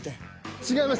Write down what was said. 違います。